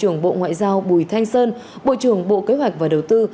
ngoại giao bùi thanh sơn bộ trưởng bộ kế hoạch và đầu tư